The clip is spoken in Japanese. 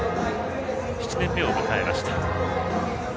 ７年目を迎えました。